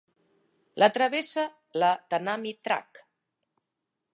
La travessa la Tanami Track.